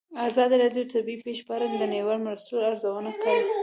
ازادي راډیو د طبیعي پېښې په اړه د نړیوالو مرستو ارزونه کړې.